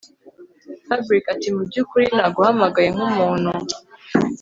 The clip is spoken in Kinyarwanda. Fabric atimubyukuri naguhamagaye nkumuntu